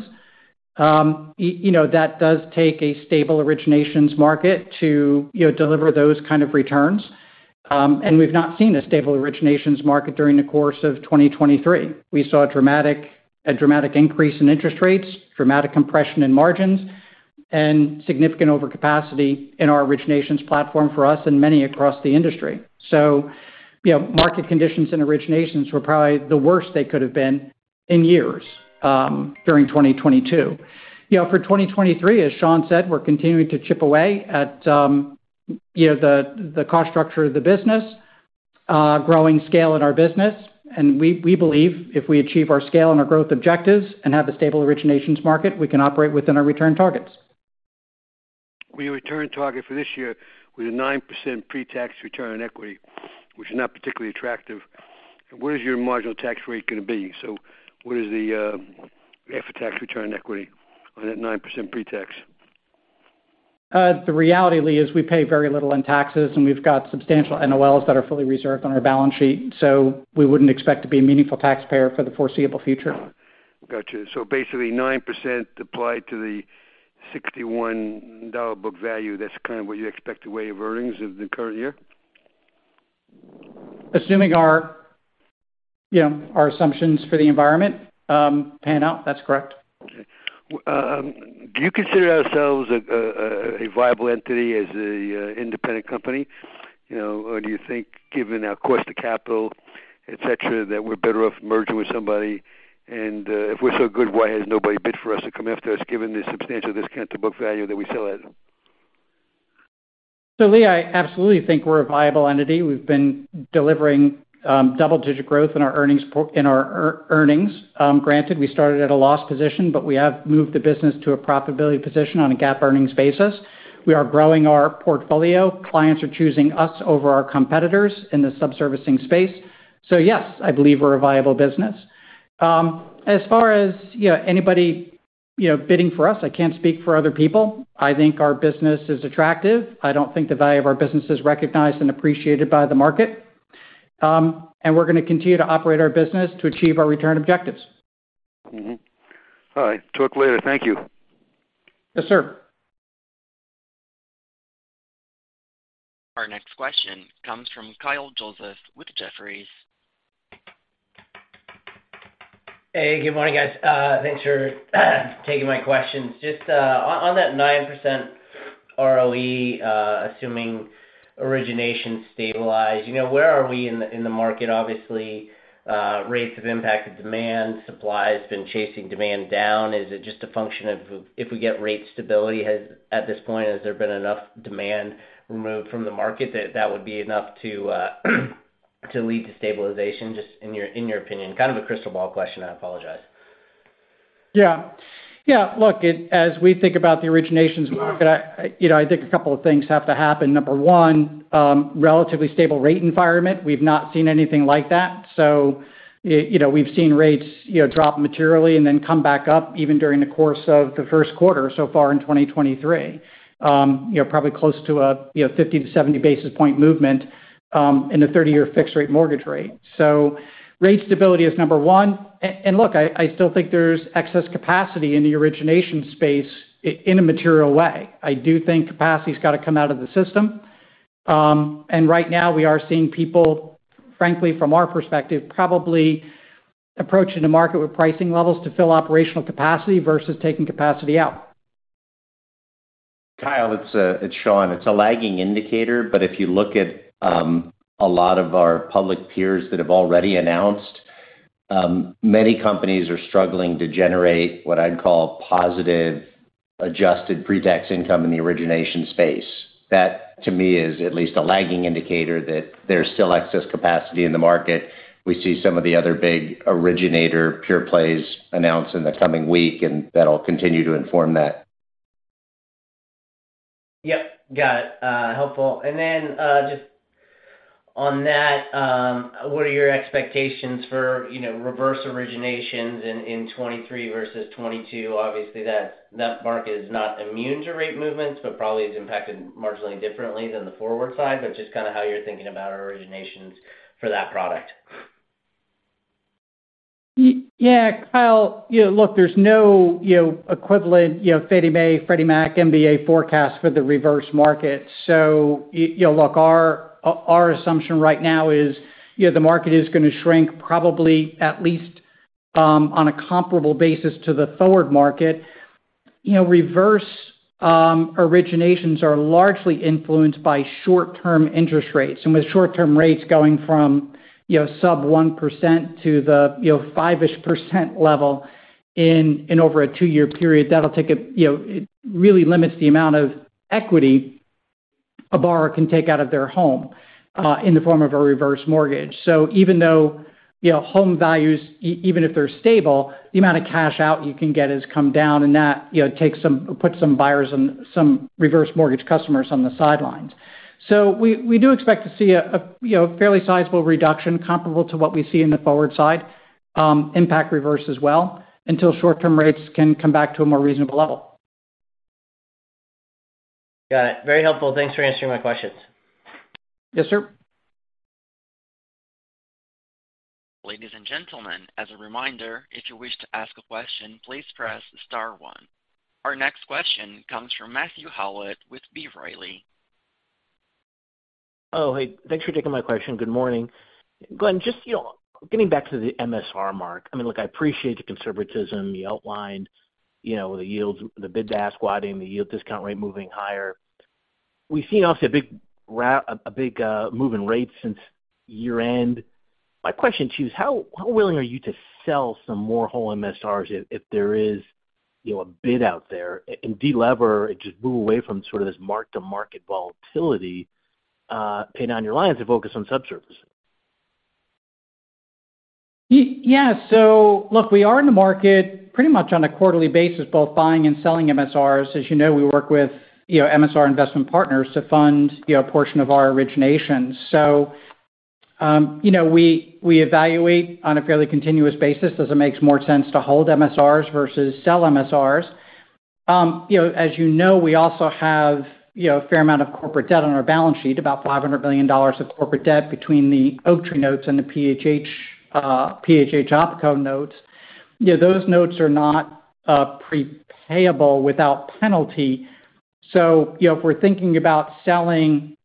Speaker 3: You know, that does take a stable originations market to, you know, deliver those kind of returns. And we've not seen a stable originations market during the course of 2023. We saw a dramatic increase in interest rates, dramatic compression in margins, and significant overcapacity in our originations platform for us and many across the industry. You know, market conditions and originations were probably the worst they could have been in years, during 2022. You know, for 2023, as Sean said, we're continuing to chip away at, you know, the cost structure of the business, growing scale in our business. We believe if we achieve our scale and our growth objectives and have the stable originations market, we can operate within our return targets.
Speaker 6: With your return target for this year with a 9% pre-tax return on equity, which is not particularly attractive, what is your marginal tax rate going to be? What is the after-tax return on equity on that 9% pre-tax?
Speaker 3: The reality, Lee, is we pay very little in taxes, and we've got substantial NOLs that are fully reserved on our balance sheet. We wouldn't expect to be a meaningful taxpayer for the foreseeable future.
Speaker 6: Got you. Basically 9% applied to the $61 book value, that's kind of what you expect the way of earnings of the current year?
Speaker 3: Assuming our, you know, our assumptions for the environment, pan out. That's correct.
Speaker 6: Okay. Do you consider ourselves a viable entity as a independent company, you know, or do you think given our cost of capital, et cetera, that we're better off merging with somebody? If we're so good, why has nobody bid for us to come after us given the substantial discount to book value that we sell at?
Speaker 3: Lee, I absolutely think we're a viable entity. We've been delivering double-digit growth in our earnings. Granted, we started at a loss position, but we have moved the business to a profitability position on a GAAP earnings basis. We are growing our portfolio. Clients are choosing us over our competitors in the subservicing space. Yes, I believe we're a viable business. As far as, you know, anybody, you know, bidding for us, I can't speak for other people. I think our business is attractive. I don't think the value of our business is recognized and appreciated by the market. We're gonna continue to operate our business to achieve our return objectives.
Speaker 6: Mm-hmm. All right. Talk later. Thank you.
Speaker 3: Yes, sir.
Speaker 1: Our next question comes from Kyle Joseph with Jefferies.
Speaker 7: Hey, good morning, guys. Thanks for taking my questions. Just on that 9% ROE, assuming origination stabilize, you know, where are we in the, in the market? Obviously, rates have impacted demand. Supply has been chasing demand down. Is it just a function of if we get rate stability at this point, has there been enough demand removed from the market that that would be enough to lead to stabilization? Just in your, in your opinion. Kind of a crystal ball question, I apologize.
Speaker 3: Yeah. Yeah. Look, as we think about the originations market, I, you know, I think a couple of things have to happen. Number one, relatively stable rate environment. We've not seen anything like that. You know, we've seen rates, you know, drop materially and then come back up even during the course of the first quarter so far in 2023. You know, probably close to a, you know, 50 to 70 basis point movement in the 30-year fixed rate mortgage rate. Rate stability is number one. And look, I still think there's excess capacity in the origination space in a material way. I do think capacity's gotta come out of the system. Right now we are seeing people, frankly, from our perspective, probably approaching the market with pricing levels to fill operational capacity versus taking capacity out.
Speaker 4: Kyle, it's Sean. It's a lagging indicator, but if you look at a lot of our public peers that have already announced, many companies are struggling to generate what I'd call positive adjusted pre-tax income in the origination space. That to me is at least a lagging indicator that there's still excess capacity in the market. We see some of the other big originator pure plays announce in the coming week, and that'll continue to inform that.
Speaker 7: Yep, got it. Helpful. Just on that, what are your expectations for, you know, reverse originations in 2023 versus 2022? Obviously, that market is not immune to rate movements, but probably is impacted marginally differently than the forward side. Just kinda how you're thinking about our originations for that product.
Speaker 3: Yeah, Kyle, you know, look, there's no, you know, equivalent, you know, Fannie Mae, Freddie Mac MBA forecast for the reverse market. You know, look, our assumption right now is, you know, the market is gonna shrink probably at least on a comparable basis to the forward market. You know, reverse originations are largely influenced by short-term interest rates. With short-term rates going from, you know, sub 1% to the, you know, 5%-ish level in over a two-year period, that'll take, you know, it really limits the amount of equity a borrower can take out of their home in the form of a reverse mortgage. Even though, you know, home values, even if they're stable, the amount of cash out you can get has come down and that, you know, puts some buyers and some reverse mortgage customers on the sidelines. We do expect to see a, you know, fairly sizable reduction comparable to what we see in the forward side, impact reverse as well, until short-term rates can come back to a more reasonable level.
Speaker 7: Got it. Very helpful. Thanks for answering my questions.
Speaker 3: Yes, sir.
Speaker 1: Ladies and gentlemen, as a reminder, if you wish to ask a question, please press star one. Our next question comes from Matthew Howlett with B. Riley.
Speaker 8: Oh, hey. Thanks for taking my question. Good morning. Glen, just, you know, getting back to the MSR mark. I mean, look, I appreciate the conservatism, the outline, you know, the yields, the bid to ask widening, the yield discount rate moving higher. We've seen also a big move in rates since year-end. My question to you is how willing are you to sell some more whole MSRs if there is, you know, a bid out there and de-lever and just move away from sort of this mark-to-market volatility, paid on your lines and focus on subservicing?
Speaker 3: Yeah. Look, we are in the market pretty much on a quarterly basis, both buying and selling MSRs. As you know, we work with, you know, MSR investment partners to fund, you know, a portion of our originations. We, you know, we evaluate on a fairly continuous basis, does it makes more sense to hold MSRs versus sell MSRs. You know, as you know, we also have, you know, a fair amount of corporate debt on our balance sheet, about $500 billion of corporate debt between the Oaktree notes and the PHH OpCo notes. You know, those notes are not pre-payable without penalty. You know, if we're thinking about selling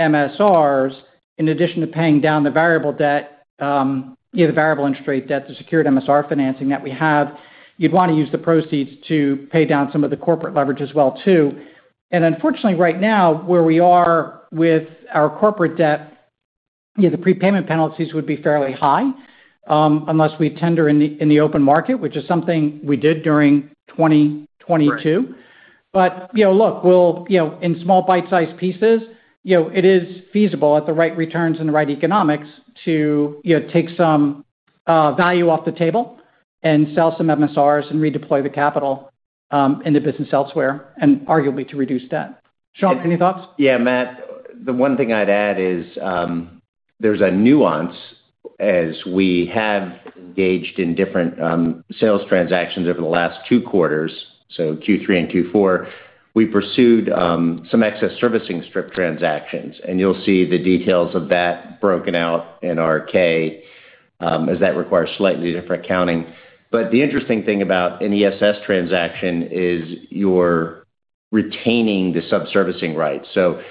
Speaker 3: MSRs, in addition to paying down the variable debt, you know, the variable interest rate debt to secure the MSR financing that we have, you'd wanna use the proceeds to pay down some of the corporate leverage as well too. Unfortunately, right now, where we are with our corporate debt, you know, the prepayment penalties would be fairly high, unless we tender in the open market, which is something we did during 2022. You know, look, we'll, you know, in small bite-size pieces, you know, it is feasible at the right returns and the right economics to, you know, take some value off the table and sell some MSRs and redeploy the capital in the business elsewhere, and arguably to reduce debt. Sean, any thoughts?
Speaker 4: Yeah, Matt, the one thing I'd add is, there's a nuance as we have engaged in different sales transactions over the last two quarters, so Q3 and Q4, we pursued some excess servicing strip transactions, and you'll see the details of that broken out in our K, as that requires slightly different accounting. The interesting thing about an ESS transaction is you're retaining the sub-servicing rights. To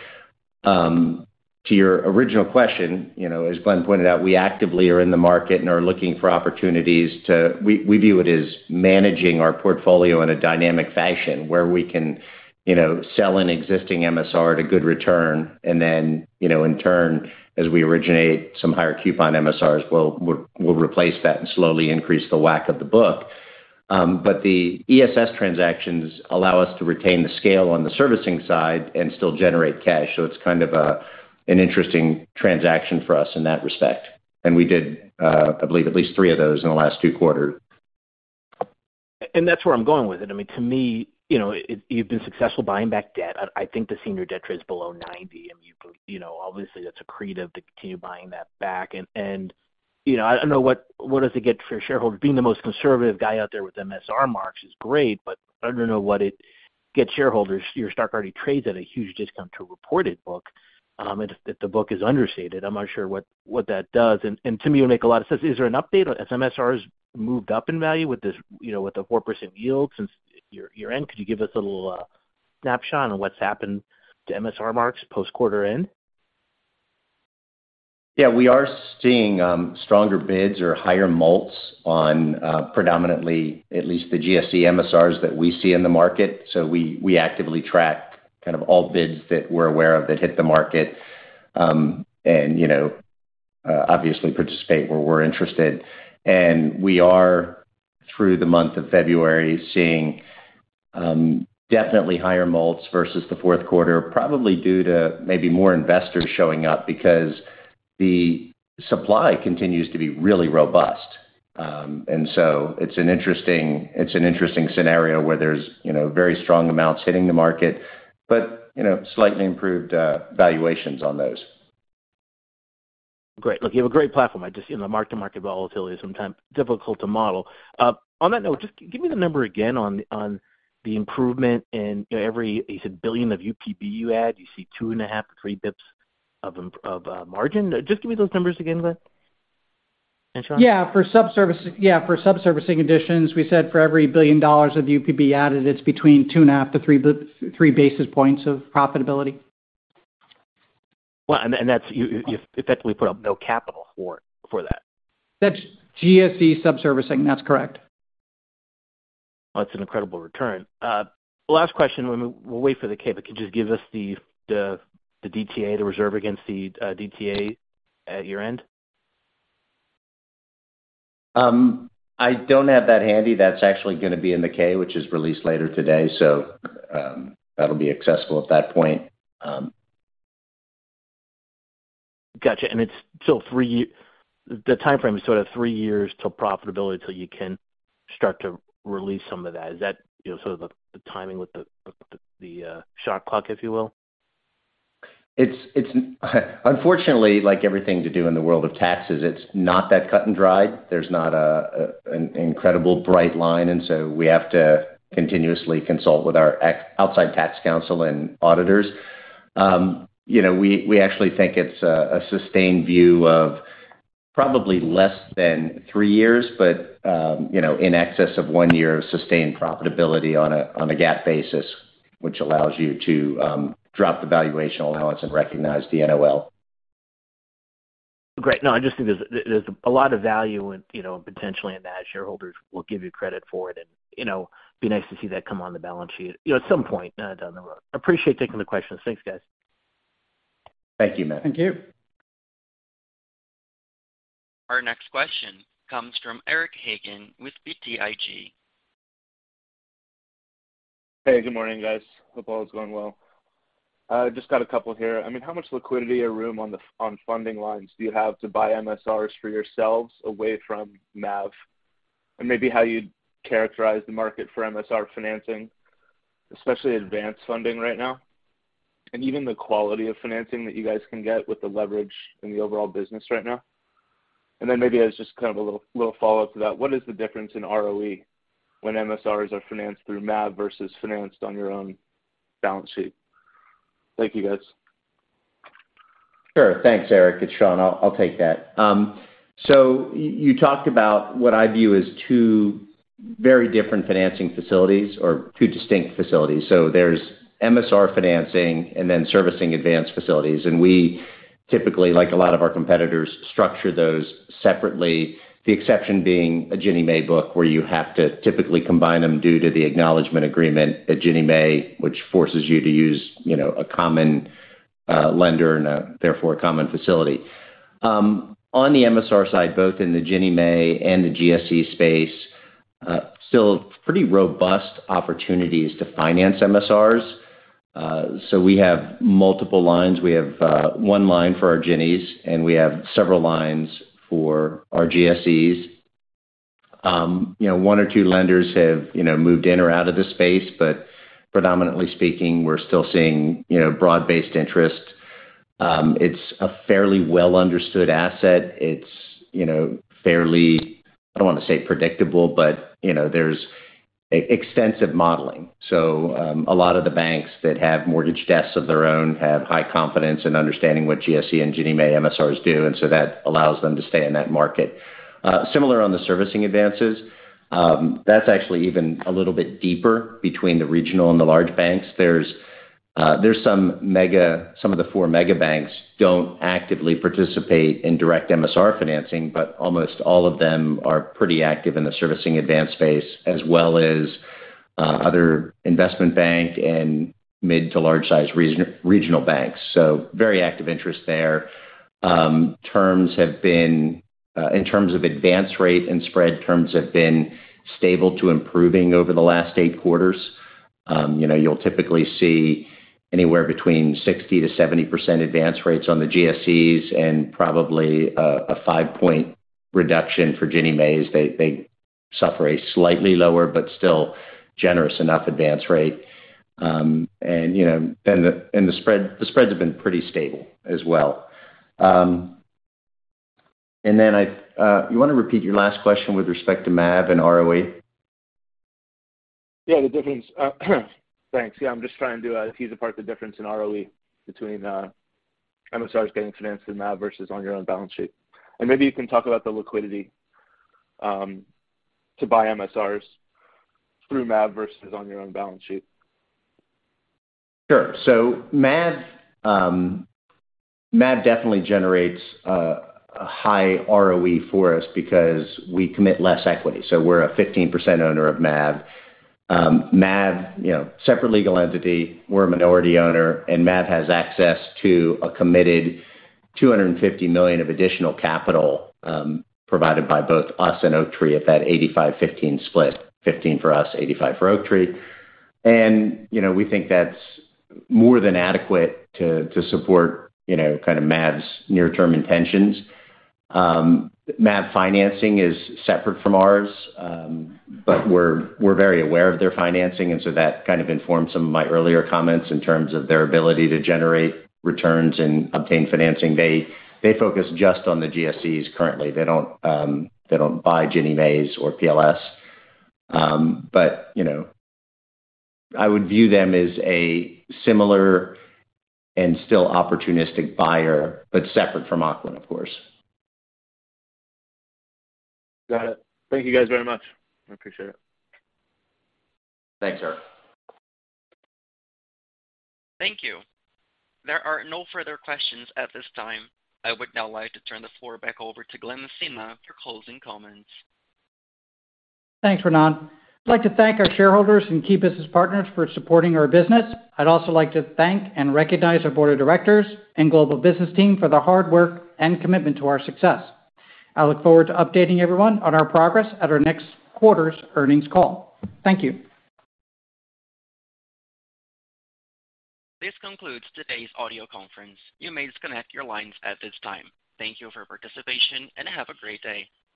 Speaker 4: your original question, you know, as Glen pointed out, we actively are in the market and are looking for opportunities. We view it as managing our portfolio in a dynamic fashion where we can, you know, sell an existing MSR at a good return, and then, you know, in turn, as we originate some higher coupon MSRs, we'll replace that and slowly increase the WAC of the book. The ESS transactions allow us to retain the scale on the servicing side and still generate cash. It's kind of a, an interesting transaction for us in that respect. We did, I believe at least three of those in the last two quarters.
Speaker 8: That's where I'm going with it. I mean, to me, you know, you've been successful buying back debt. I think the senior debt trades below 90, you know, obviously that's accretive to continue buying that back. You know, I don't know what does it get for your shareholders. Being the most conservative guy out there with MSR marks is great, but I don't know what it gets shareholders. Your stock already trades at a huge discount to reported book. If the book is understated, I'm not sure what that does. To me, it would make a lot of sense. Is there an update as MSRs moved up in value with this, you know, with the 4% yield since your end? Could you give us a little snapshot on what's happened to MSR marks post quarter end?
Speaker 4: Yeah. We are seeing stronger bids or higher mults on predominantly at least the GSE MSRs that we see in the market. We actively track kind of all bids that we're aware of that hit the market, and, you know, obviously participate where we're interested. We are through the month of February, seeing definitely higher mults versus the fourth quarter, probably due to maybe more investors showing up because the supply continues to be really robust. It's an interesting scenario where there's, you know, very strong amounts hitting the market, but, you know, slightly improved valuations on those.
Speaker 8: Great. Look, you have a great platform. I just, you know, mark-to-market volatility is sometimes difficult to model. On that note, just give me the number again on the improvement in every, you said $1 billion of UPB you add, you see 2.5-3 basis points of margin. Just give me those numbers again, Glen and Sean.
Speaker 3: Yeah. yeah, for sub-servicing additions, we said for every $1 billion of UPB added, it's between 2.5-3 basis points of profitability.
Speaker 8: Well, that's you effectively put up no capital for that.
Speaker 3: That's GSE sub-servicing. That's correct.
Speaker 8: That's an incredible return. Last question, we'll wait for the K, but could you just give us the DTA, the reserve against the DTA at your end?
Speaker 4: I don't have that handy. That's actually gonna be in the K, which is released later today. That'll be accessible at that point.
Speaker 8: Gotcha. It's still the timeframe is sort of three years till profitability, till you can start to release some of that. Is that, you know, sort of the timing with the, with the shot clock, if you will?
Speaker 4: It's unfortunately like everything to do in the world of taxes, it's not that cut and dry. There's not an incredible bright line. We have to continuously consult with our outside tax counsel and auditors. you know, we actually think it's a sustained view of probably less than three years, but, you know, in excess of one year of sustained profitability on a GAAP basis, which allows you to drop the valuation allowance and recognize the NOL.
Speaker 8: Great. No, I just think there's a lot of value in, you know, potentially in that. Shareholders will give you credit for it and, you know, be nice to see that come on the balance sheet, you know, at some point down the road. I appreciate taking the questions. Thanks, guys.
Speaker 4: Thank you, Matt.
Speaker 3: Thank you.
Speaker 1: Our next question comes from Eric Hagen with BTIG.
Speaker 9: Good morning, guys. Hope all is going well. Just got a couple here. I mean, how much liquidity or room on funding lines do you have to buy MSRs for yourselves away from MAV? Maybe how you'd characterize the market for MSR financing, especially advanced funding right now, and even the quality of financing that you guys can get with the leverage in the overall business right now. Maybe as just kind of a little follow-up to that, what is the difference in ROE when MSRs are financed through MAV versus financed on your own balance sheet? Thank you, guys.
Speaker 4: Sure. Thanks, Eric. It's Sean. I'll take that. You talked about what I view as two very different financing facilities or two distinct facilities. There's MSR financing and then servicing advanced facilities. We typically, like a lot of our competitors, structure those separately. The exception being a Ginnie Mae book, where you have to typically combine them due to the acknowledgement agreement at Ginnie Mae, which forces you to use, you know, a common lender and therefore a common facility. On the MSR side, both in the Ginnie Mae and the GSE space, still pretty robust opportunities to finance MSRs. We have multiple lines. We have one line for our Ginnies, and we have several lines for our GSEs. You know, one or two lenders have, you know, moved in or out of the space, but predominantly speaking, we're still seeing, you know, broad-based interest. It's a fairly well-understood asset. It's, you know, fairly, I don't wanna say predictable, but, you know, there's extensive modeling. A lot of the banks that have mortgage desks of their own have high confidence in understanding what GSE and Ginnie Mae MSRs do, and so that allows them to stay in that market. Similar on the servicing advances, that's actually even a little bit deeper between the regional and the large banks. There's some of the 4 mega banks don't actively participate in direct MSR financing, but almost all of them are pretty active in the servicing advance space as well as other investment bank and mid to large size regional banks. Very active interest there. Terms have been in terms of advance rate and spread terms have been stable to improving over the last eight quarters. You know, you'll typically see anywhere between 60%-70% advance rates on the GSEs and probably a 5-point reduction for Ginnie Maes. They suffer a slightly lower but still generous enough advance rate. You know, the spreads have been pretty stable as well. You wanna repeat your last question with respect to MAV and ROE?
Speaker 9: Yeah, the difference. Thanks. Yeah, I'm just trying to tease apart the difference in ROE between MSRs getting financed through MAV versus on your own balance sheet. maybe you can talk about the liquidity to buy MSRs through MAV versus on your own balance sheet.
Speaker 4: Sure. MAV definitely generates a high ROE for us because we commit less equity. We're a 15% owner of MAV. MAV, you know, separate legal entity, we're a minority owner, and MAV has access to a committed $250 million of additional capital provided by both us and Oaktree at that 85/15 split, 15 for us, 85 for Oaktree. You know, we think that's more than adequate to support, you know, kind of MAV's near-term intentions. MAV financing is separate from ours, but we're very aware of their financing and so that kind of informed some of my earlier comments in terms of their ability to generate returns and obtain financing. They focus just on the GSEs currently. They don't, they don't buy Ginnie Maes or PLS. You know, I would view them as a similar and still opportunistic buyer, but separate from Ocwen, of course.
Speaker 9: Got it. Thank you guys very much. I appreciate it.
Speaker 4: Thanks, Eric.
Speaker 1: Thank you. There are no further questions at this time. I would now like to turn the floor back over to Glen Messina for closing comments.
Speaker 3: Thanks, Renan. I'd like to thank our shareholders and key business partners for supporting our business. I'd also like to thank and recognize our board of directors and global business team for their hard work and commitment to our success. I look forward to updating everyone on our progress at our next quarter's earnings call. Thank you.
Speaker 1: This concludes today's audio conference. You may disconnect your lines at this time. Thank you for participation, and have a great day.